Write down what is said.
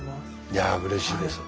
いやうれしいです。